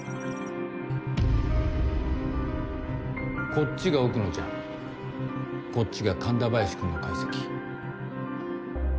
こっちが奥野ちゃんこっちが神田林君の解析。